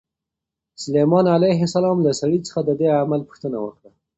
سلیمان علیه السلام له سړي څخه د دې عمل پوښتنه وکړه.